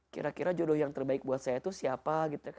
kira kira jodoh yang terbaik buat saya itu siapa